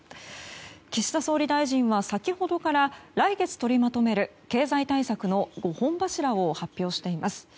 岸田総理大臣は先ほどから来月取りまとめる経済対策の５本柱を発表しています。